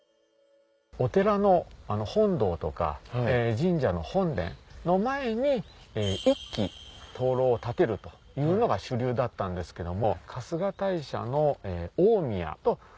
お寺の本堂とか神社の本殿の前に１基燈籠を建てるというのが主流だったんですけども。